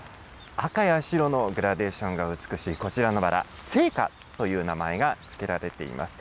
赤や白のグラデーションが美しいこちらのバラ、聖火という名前が付けられています。